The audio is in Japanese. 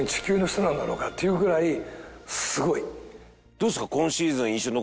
どうですか？